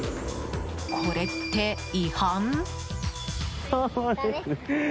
これって違反？